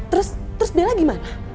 terus terus bella gimana